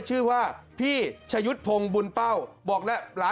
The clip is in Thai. ชื่อว่าพี่ชะยุดพงบุญเป้า